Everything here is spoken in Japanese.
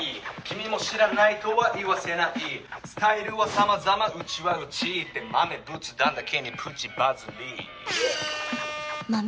「君も知らないとは言わせない」「スタイルは様々うちはうちって豆仏壇だけにプチバズりイェア」